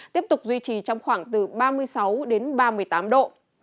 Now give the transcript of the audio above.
tiếp tục duy trì trong khoảng từ ba mươi sáu đến ba mươi tám độ